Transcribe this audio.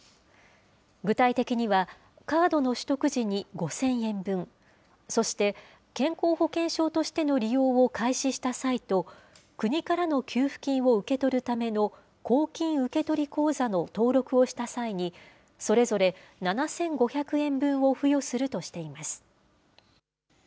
具体的には、カードの取得時に５０００円分、そして健康保険証としての利用を開始した際と、国からの給付金を受け取るための公金受取口座の登録をした際に、それぞれ７５００円分を付与するとしています。